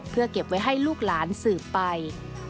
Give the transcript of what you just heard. เพื่อเก็บไว้ให้ลูกหลานสืบไป